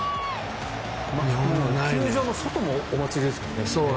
球場の外もお祭りですもんね。